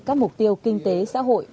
các mục tiêu kinh tế xã hội